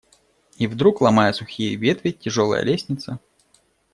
И вдруг, ломая сухие ветви, тяжелая лестница